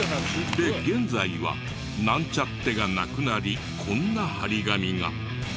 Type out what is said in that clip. で現在は「ナンチャッテ」がなくなりこんな貼り紙が。